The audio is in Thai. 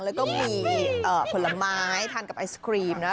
แล้วก็มีผลไม้ทานกับไอศครีมนะ